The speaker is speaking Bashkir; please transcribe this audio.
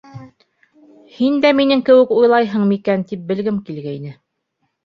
Һин дә минең кеүек уйлайһың микән, тип белгем килгәйне.